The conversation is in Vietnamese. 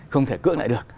không thể cưỡng lại được